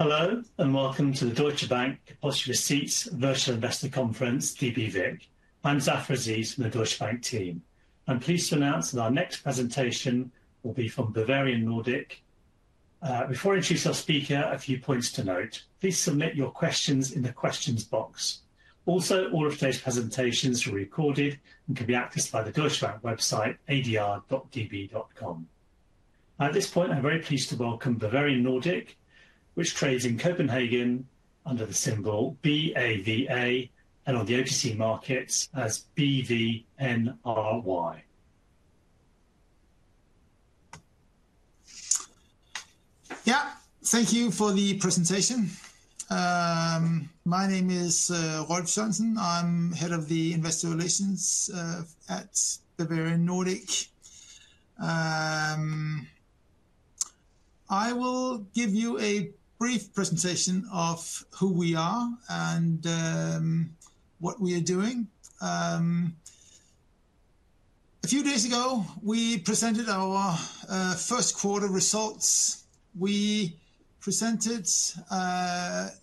Hello and welcome to the Deutsche Bank Depository Receipts Virtual Investor Conference, dbVIC. I'm Zafar Aziz from the Deutsche Bank team. I'm pleased to announce that our next presentation will be from Bavarian Nordic. Before I introduce our speaker, a few points to note. Please submit your questions in the questions box. Also, all of today's presentations are recorded and can be accessed by the Deutsche Bank website, adr.db.com. At this point, I'm very pleased to welcome Bavarian Nordic, which trades in Copenhagen under the symbol BAVA and on the OTC markets as BVNRY. Yeah, thank you for the presentation. My name is Rolf Sorensen. I'm Head of Investor Relations at Bavarian Nordic. I will give you a brief presentation of who we are and what we are doing. A few days ago, we presented our first quarter results. We presented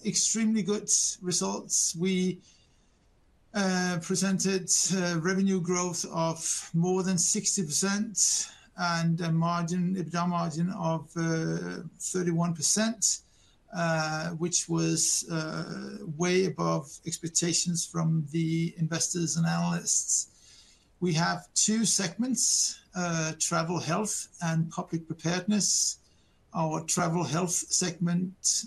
extremely good results. We presented revenue growth of more than 60% and a margin, EBITDA margin of 31%, which was way above expectations from the investors and analysts. We have two segments: travel health and public preparedness. Our travel health segment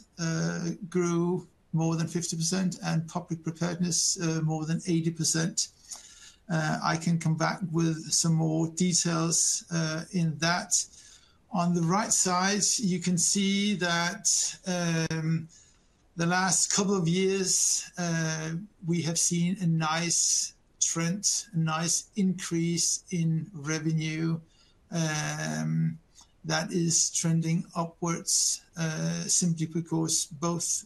grew more than 50% and public preparedness more than 80%. I can come back with some more details in that. On the right side, you can see that the last couple of years we have seen a nice trend, a nice increase in revenue that is trending upwards simply because both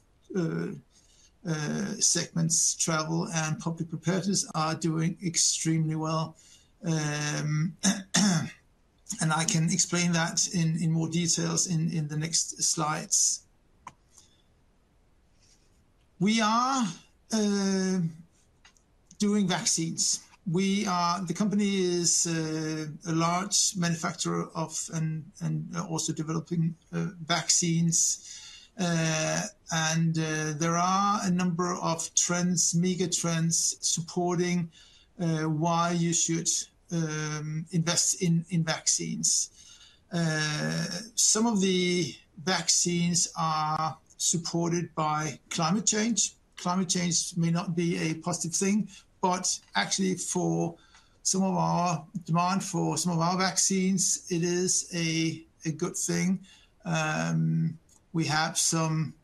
segments, travel and public preparedness, are doing extremely well. I can explain that in more detail in the next slides. We are doing vaccines. The company is a large manufacturer of and also developing vaccines. There are a number of trends, mega trends supporting why you should invest in vaccines. Some of the vaccines are supported by climate change. Climate change may not be a positive thing, but actually for some of our demand for some of our vaccines, it is a good thing. We have some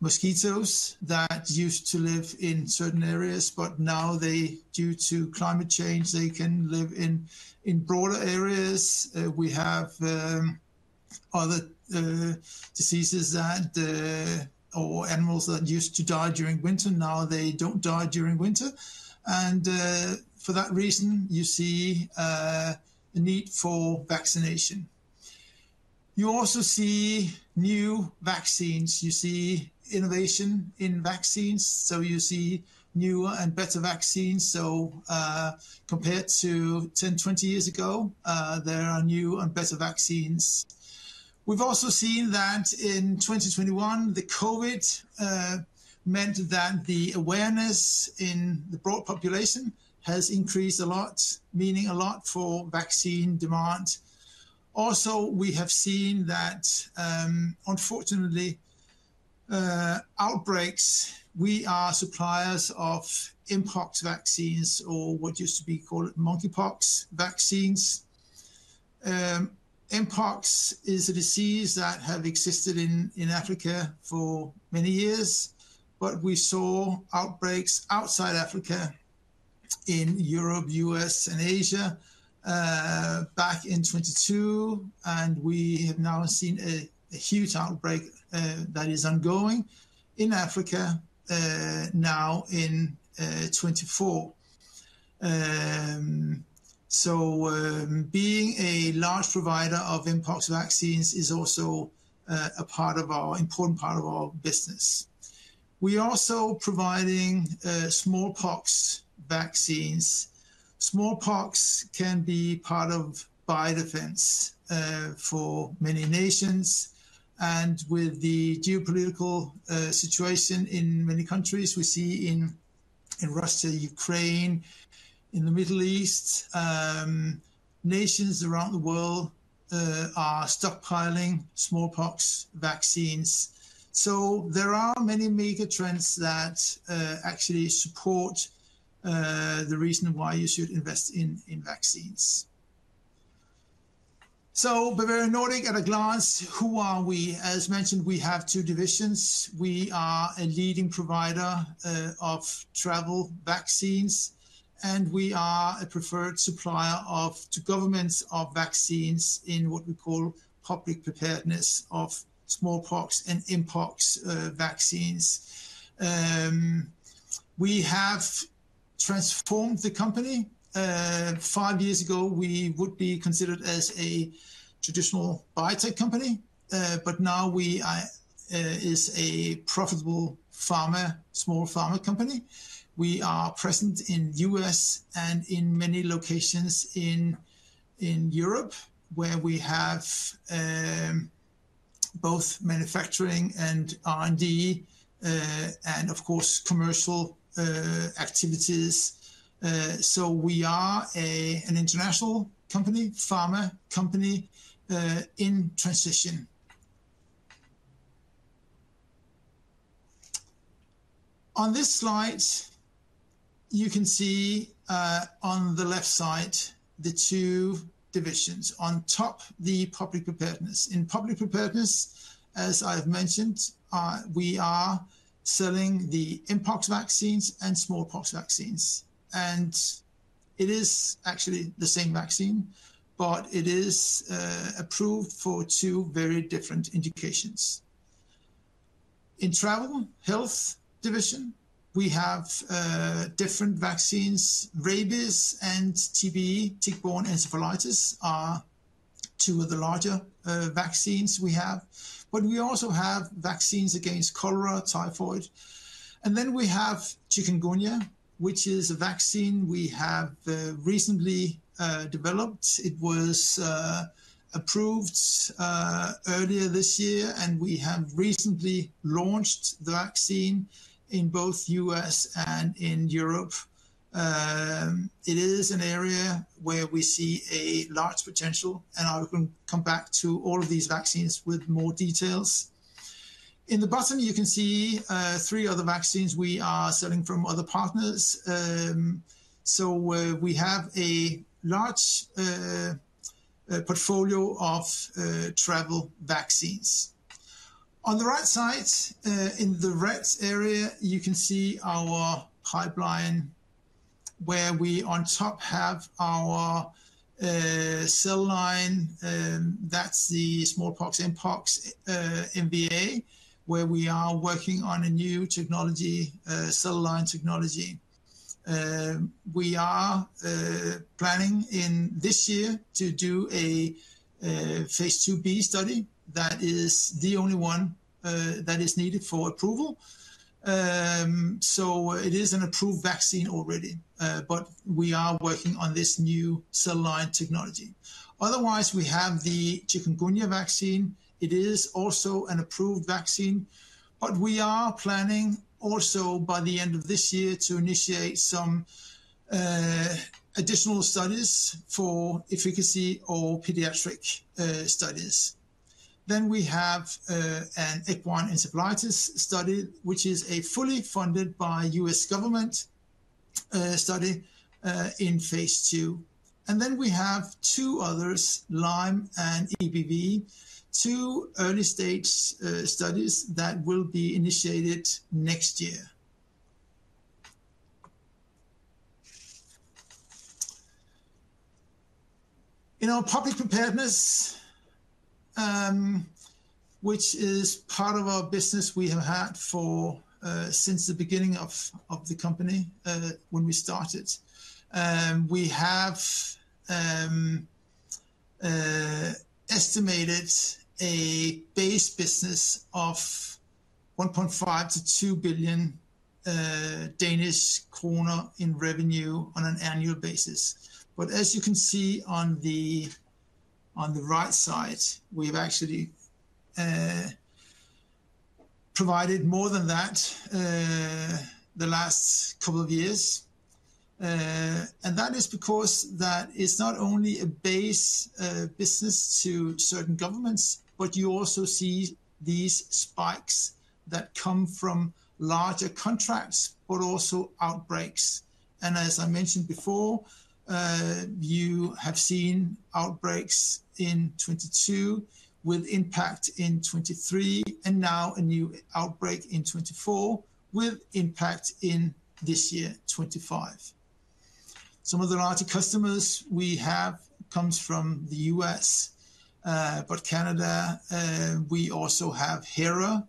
mosquitoes that used to live in certain areas, but now they, due to climate change, can live in broader areas. We have other diseases or animals that used to die during winter. Now they do not die during winter. For that reason, you see a need for vaccination. You also see new vaccines. You see innovation in vaccines. You see newer and better vaccines. Compared to 10, 20 years ago, there are new and better vaccines. We've also seen that in 2021, the COVID meant that the awareness in the broad population has increased a lot, meaning a lot for vaccine demand. Also, we have seen that, unfortunately, outbreaks, we are suppliers of mpox vaccines or what used to be called monkeypox vaccines. Mpox is a disease that has existed in Africa for many years, but we saw outbreaks outside Africa in Europe, U.S., and Asia back in 2022. We have now seen a huge outbreak that is ongoing in Africa now in 2024. Being a large provider of mpox vaccines is also a part of our important part of our business. We are also providing smallpox vaccines. Smallpox can be part of biodefense for many nations. With the geopolitical situation in many countries, we see in Russia, Ukraine, in the Middle East, nations around the world are stockpiling smallpox vaccines. There are many mega trends that actually support the reason why you should invest in vaccines. Bavarian Nordic at a glance, who are we? As mentioned, we have two divisions. We are a leading provider of travel vaccines, and we are a preferred supplier to governments of vaccines in what we call public preparedness of smallpox and mpox vaccines. We have transformed the company. Five years ago, we would be considered as a traditional biotech company, but now we are a profitable small pharma company. We are present in the U.S. and in many locations in Europe where we have both manufacturing and R&D and, of course, commercial activities. We are an international company, pharma company in transition. On this slide, you can see on the left side the two divisions. On top, the public preparedness. In public preparedness, as I've mentioned, we are selling the mpox vaccines and smallpox vaccines. It is actually the same vaccine, but it is approved for two very different indications. In travel health division, we have different vaccines. Rabies and TBE, tick-borne encephalitis, are two of the larger vaccines we have. We also have vaccines against cholera, typhoid. We have chikungunya, which is a vaccine we have recently developed. It was approved earlier this year, and we have recently launched the vaccine in both the U.S. and in Europe. It is an area where we see a large potential, and I will come back to all of these vaccines with more details. In the bottom, you can see three other vaccines we are selling from other partners. We have a large portfolio of travel vaccines. On the right side, in the red area, you can see our pipeline where we on top have our cell line. That's the smallpox, mpox, MVA, where we are working on a new technology, cell line technology. We are planning in this year to do a phase II-B study that is the only one that is needed for approval. It is an approved vaccine already, but we are working on this new cell line technology. Otherwise, we have the chikungunya vaccine. It is also an approved vaccine, but we are planning also by the end of this year to initiate some additional studies for efficacy or pediatric studies. We have an equine encephalitis study, which is a fully funded by the US government study in phase II. Then we have two others, Lyme and EBV, two early stage studies that will be initiated next year. In our public preparedness, which is part of our business we have had since the beginning of the company when we started, we have estimated a base business of 1.5 billion-2 billion Danish kroner in revenue on an annual basis. As you can see on the right side, we have actually provided more than that the last couple of years. That is because that is not only a base business to certain governments, you also see these spikes that come from larger contracts, but also outbreaks. As I mentioned before, you have seen outbreaks in 2022 with impact in 2023, and now a new outbreak in 2024 with impact in this year, 2025. Some of the larger customers we have come from the U.S., but Canada. We also have HERA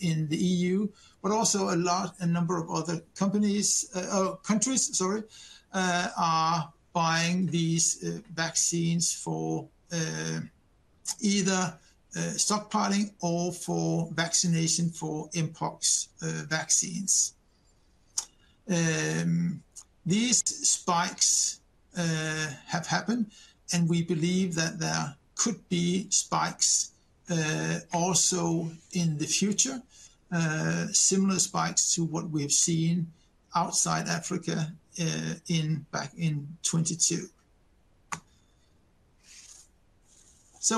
in the EU, but also a number of other countries, sorry, are buying these vaccines for either stockpiling or for vaccination for mpox vaccines. These spikes have happened, and we believe that there could be spikes also in the future, similar spikes to what we've seen outside Africa back in 2022.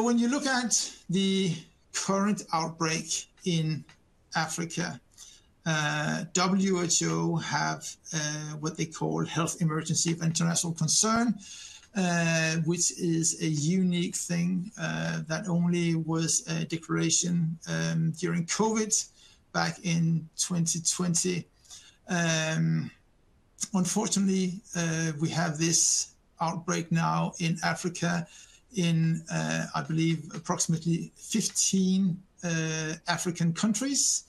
When you look at the current outbreak in Africa, WHO have what they call health emergency of international concern, which is a unique thing that only was a declaration during COVID back in 2020. Unfortunately, we have this outbreak now in Africa in, I believe, approximately 15 African countries.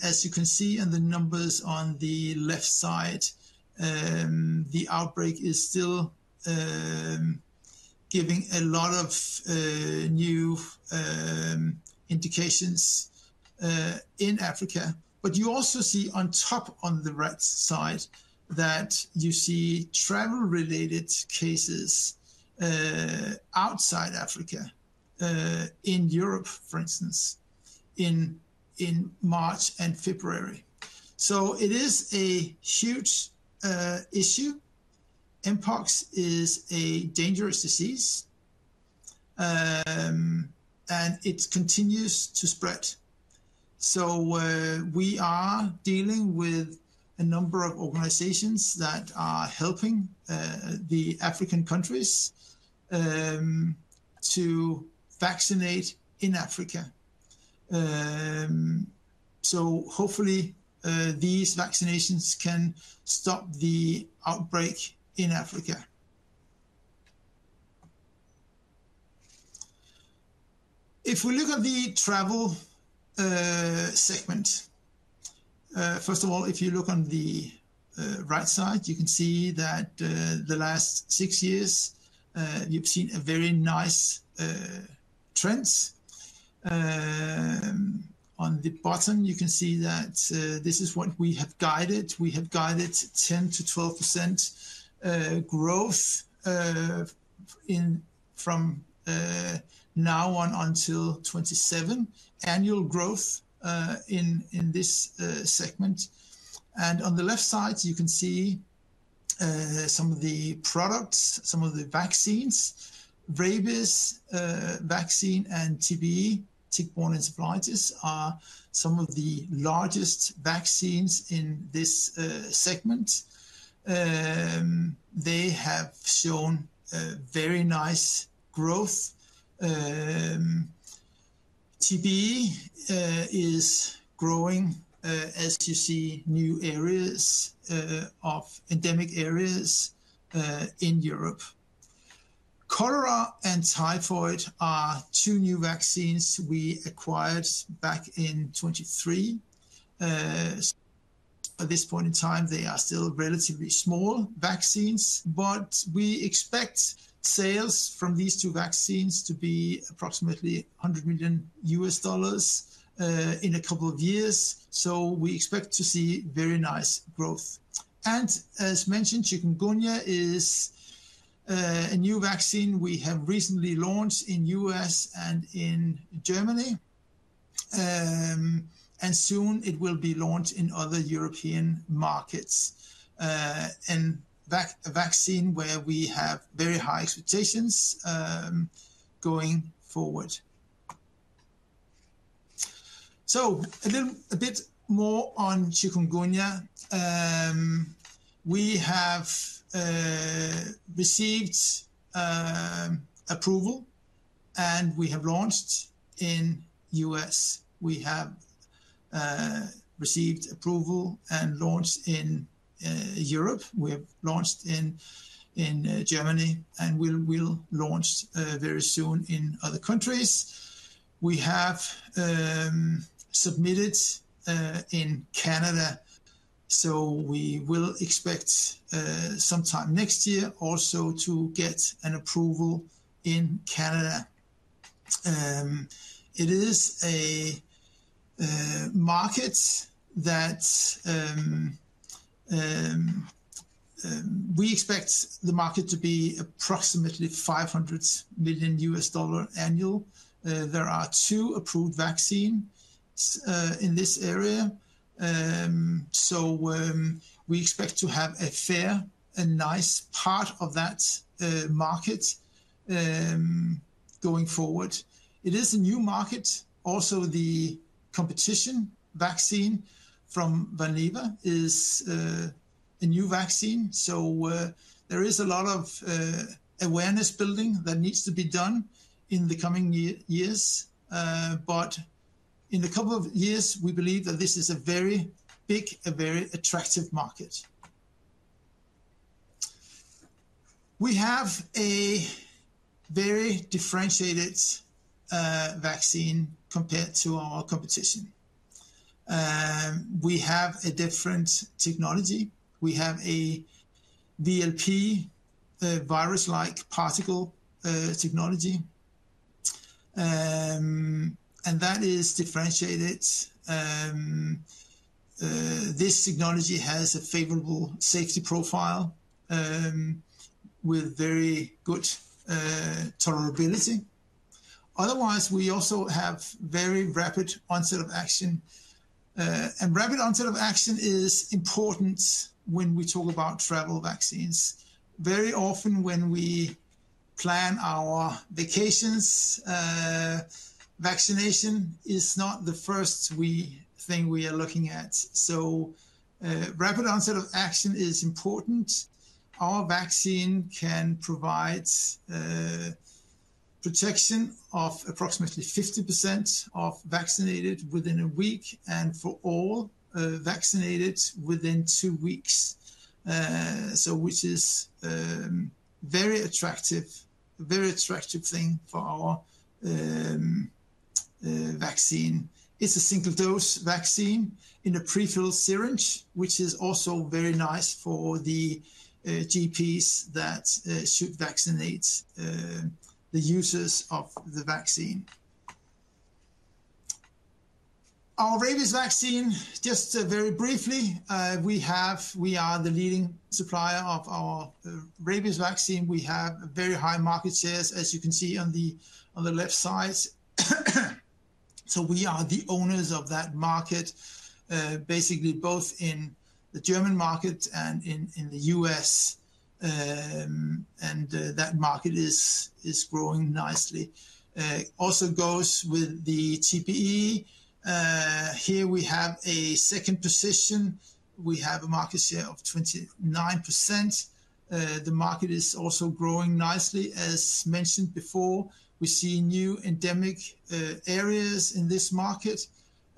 As you can see on the numbers on the left side, the outbreak is still giving a lot of new indications in Africa. You also see on top on the right side that you see travel-related cases outside Africa, in Europe, for instance, in March and February. It is a huge issue. Mpox is a dangerous disease, and it continues to spread. We are dealing with a number of organizations that are helping the African countries to vaccinate in Africa. Hopefully, these vaccinations can stop the outbreak in Africa. If we look at the travel segment, first of all, if you look on the right side, you can see that the last six years you've seen a very nice trend. On the bottom, you can see that this is what we have guided. We have guided 10%-12% growth from now on until 2027, annual growth in this segment. On the left side, you can see some of the products, some of the vaccines. Rabies vaccine and TBE, tick-borne encephalitis, are some of the largest vaccines in this segment. They have shown very nice growth. TBE is growing, as you see, new areas of endemic areas in Europe. Cholera and typhoid are two new vaccines we acquired back in 2023. At this point in time, they are still relatively small vaccines, but we expect sales from these two vaccines to be approximately $100 million in a couple of years. We expect to see very nice growth. As mentioned, chikungunya is a new vaccine we have recently launched in the US and in Germany. It will soon be launched in other European markets. It is a vaccine where we have very high expectations going forward. A bit more on chikungunya. We have received approval, and we have launched in the US. We have received approval and launched in Europe. We have launched in Germany, and we'll launch very soon in other countries. We have submitted in Canada. We will expect sometime next year also to get an approval in Canada. It is a market that we expect the market to be approximately $500 million annual. There are two approved vaccines in this area. We expect to have a fair and nice part of that market going forward. It is a new market. Also, the competition vaccine from Valneva is a new vaccine. There is a lot of awareness building that needs to be done in the coming years. In a couple of years, we believe that this is a very big, a very attractive market. We have a very differentiated vaccine compared to our competition. We have a different technology. We have a VLP, a virus-like particle technology. That is differentiated. This technology has a favorable safety profile with very good tolerability. Otherwise, we also have very rapid onset of action. Rapid onset of action is important when we talk about travel vaccines. Very often when we plan our vacations, vaccination is not the first thing we are looking at. Rapid onset of action is important. Our vaccine can provide protection of approximately 50% of vaccinated within a week and for all vaccinated within two weeks, which is a very attractive thing for our vaccine. It is a single-dose vaccine in a prefilled syringe, which is also very nice for the GPs that should vaccinate the users of the vaccine. Our rabies vaccine, just very briefly, we are the leading supplier of our rabies vaccine. We have very high market shares, as you can see on the left side. We are the owners of that market, basically both in the German market and in the US. That market is growing nicely. Also goes with the TBE. Here we have a second position. We have a market share of 29%. The market is also growing nicely. As mentioned before, we see new endemic areas in this market.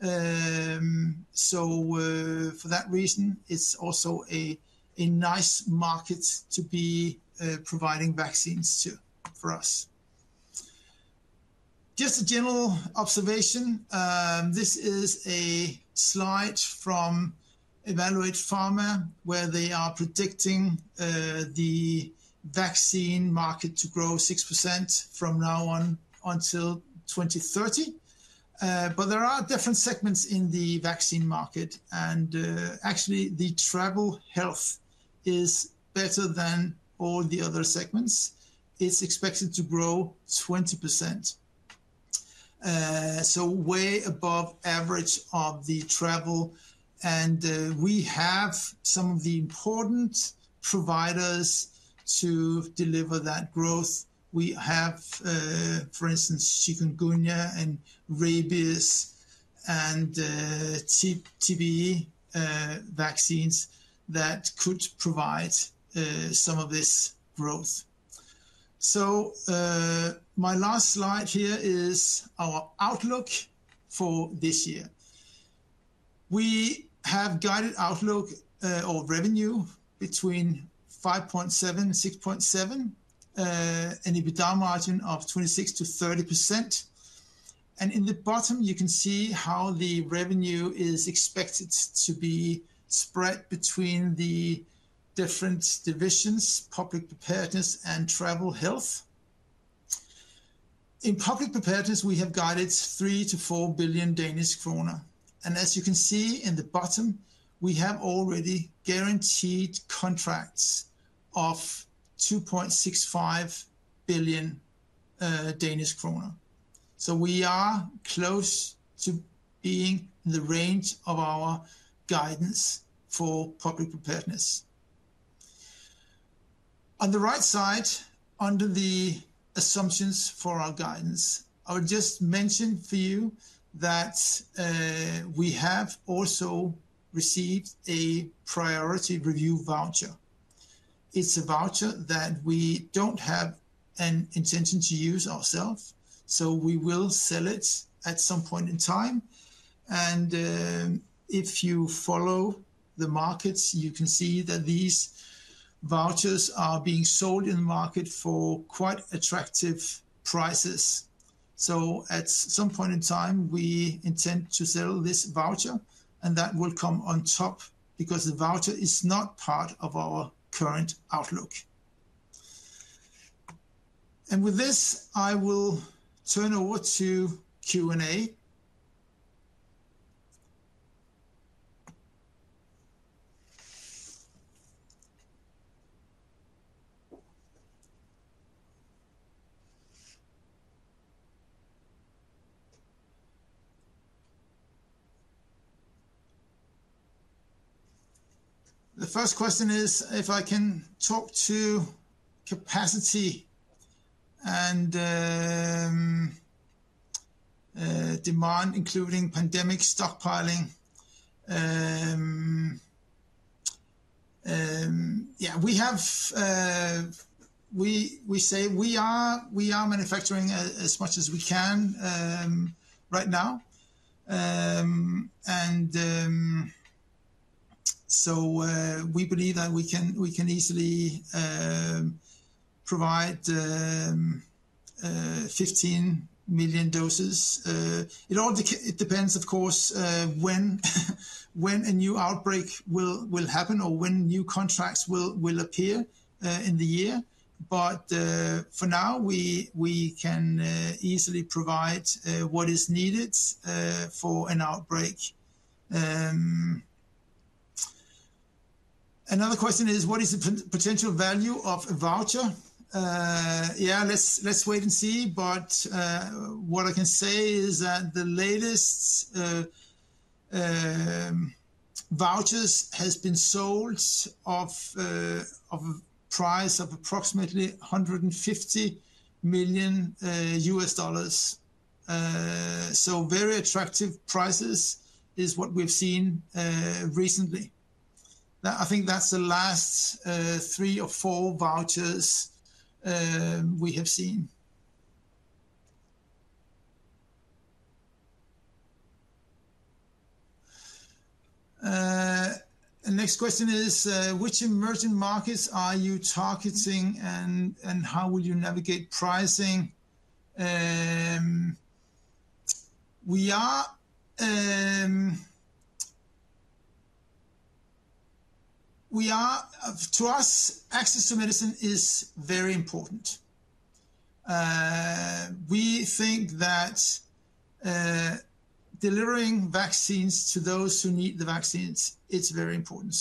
For that reason, it is also a nice market to be providing vaccines to for us. Just a general observation. This is a slide from Evaluate Pharma, where they are predicting the vaccine market to grow 6% from now on until 2030. There are different segments in the vaccine market. Actually, the travel health is better than all the other segments. It is expected to grow 20%. Way above average of the travel. We have some of the important providers to deliver that growth. We have, for instance, chikungunya and rabies and TBE vaccines that could provide some of this growth. My last slide here is our outlook for this year. We have guided outlook of revenue between 5.7 billion-6.7 billion, an EBITDA margin of 26%-30%. In the bottom, you can see how the revenue is expected to be spread between the different divisions, public preparedness and travel health. In public preparedness, we have guided 3 billion-4 billion Danish kroner. As you can see in the bottom, we have already guaranteed contracts of 2.65 billion Danish kroner. We are close to being in the range of our guidance for public preparedness. On the right side, under the assumptions for our guidance, I would just mention for you that we have also received a priority review voucher. It's a voucher that we don't have an intention to use ourselves. We will sell it at some point in time. If you follow the markets, you can see that these vouchers are being sold in the market for quite attractive prices. At some point in time, we intend to sell this voucher, and that will come on top because the voucher is not part of our current outlook. With this, I will turn over to Q&A. The first question is if I can talk to capacity and demand, including pandemic stockpiling. Yeah, we say we are manufacturing as much as we can right now. We believe that we can easily provide 15 million doses. It depends, of course, when a new outbreak will happen or when new contracts will appear in the year. For now, we can easily provide what is needed for an outbreak. Another question is, what is the potential value of a voucher? Yeah, let's wait and see. What I can say is that the latest vouchers have been sold at a price of approximately $150 million. Very attractive prices is what we've seen recently. I think that's the last three or four vouchers we have seen. The next question is, which emerging markets are you targeting and how will you navigate pricing? To us, access to medicine is very important. We think that delivering vaccines to those who need the vaccines, it's very important.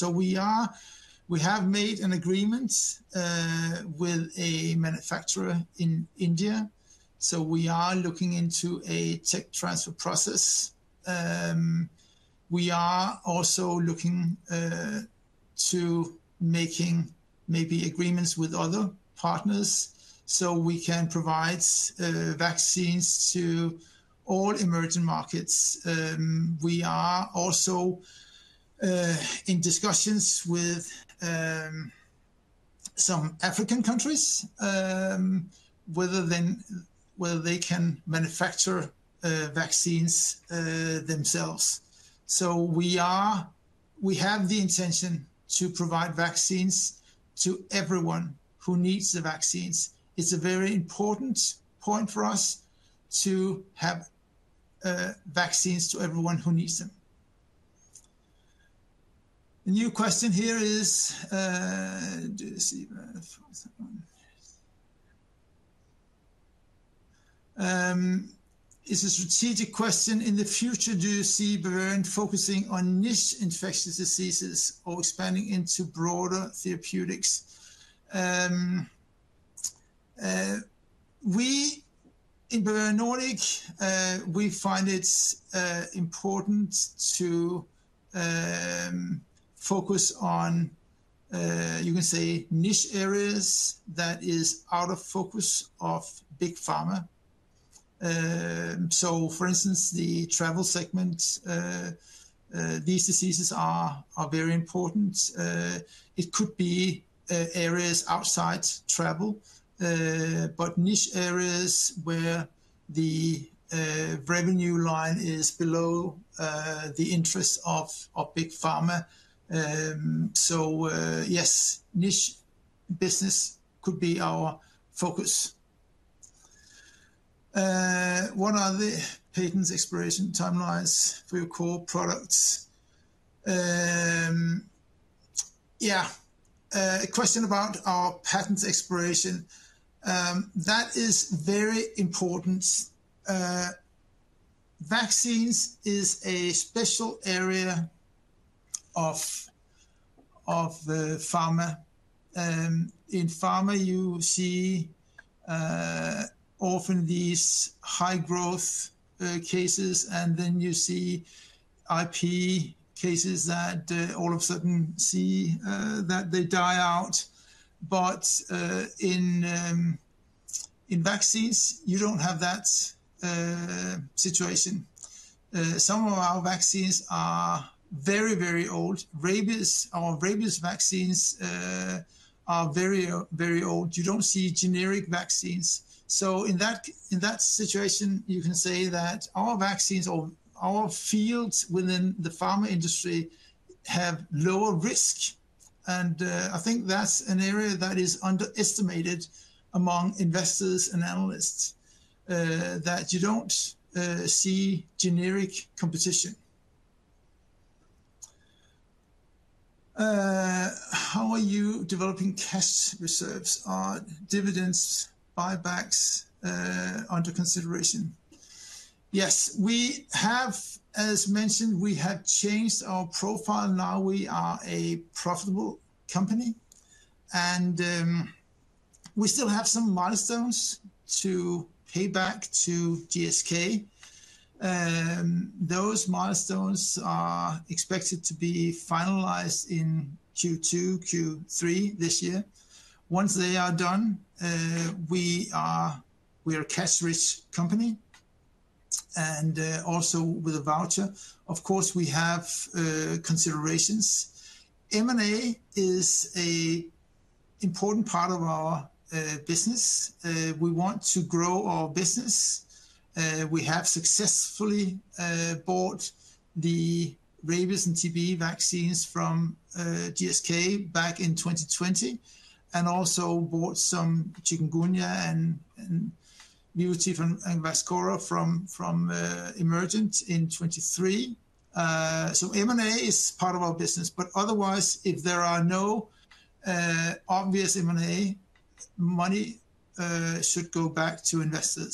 We have made an agreement with a manufacturer in India. We are looking into a tech transfer process. We are also looking to make agreements with other partners so we can provide vaccines to all emerging markets. We are also in discussions with some African countries whether they can manufacture vaccines themselves. We have the intention to provide vaccines to everyone who needs the vaccines. It is a very important point for us to have vaccines to everyone who needs them. The new question here is, is a strategic question. In the future, do you see Bavarian focusing on niche infectious diseases or expanding into broader therapeutics? In Bavarian Nordic, we find it important to focus on, you can say, niche areas that are out of focus of big pharma. For instance, the travel segment, these diseases are very important. It could be areas outside travel, but niche areas where the revenue line is below the interest of big pharma. Yes, niche business could be our focus. What are the patents expiration timelines for your core products? Yeah, a question about our patents expiration. That is very important. Vaccines is a special area of pharma. In pharma, you see often these high-growth cases, and then you see IP cases that all of a sudden see that they die out. In vaccines, you do not have that situation. Some of our vaccines are very, very old. Our rabies vaccines are very, very old. You do not see generic vaccines. In that situation, you can say that our vaccines or our fields within the pharma industry have lower risk. I think that is an area that is underestimated among investors and analysts, that you do not see generic competition. How are you developing cash reserves? Are dividends, buybacks under consideration? Yes, as mentioned, we have changed our profile. Now we are a profitable company. We still have some milestones to pay back to GSK. Those milestones are expected to be finalized in Q2, Q3 this year. Once they are done, we are a cash-rich company. Also with a voucher, of course, we have considerations. M&A is an important part of our business. We want to grow our business. We have successfully bought the rabies and TBE vaccines from GSK back in 2020 and also bought some chikungunya and Vivotif from VAXCHORA from Emergent in 2023. M&A is part of our business. Otherwise, if there are no obvious M&A, money should go back to investors.